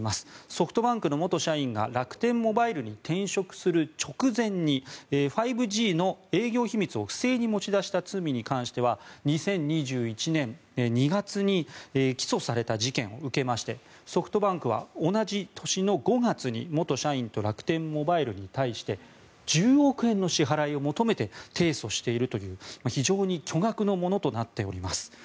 ソフトバンクの元社員が楽天モバイルに転職する直前に５Ｇの営業秘密を不正に持ち出した罪に関しては２０２１年２月に起訴された事件を受けましてソフトバンクは同じ年の５月に元社員と楽天モバイルに対して１０億円の支払いを求めて提訴しているという非常に巨額のものとなっております。